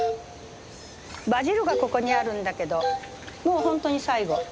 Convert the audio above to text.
バジルがここにあるんだけどもう本当に最後。